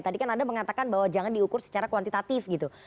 tadi kan anda mengatakan bahwa jangan diukur secara kuantitatif gitu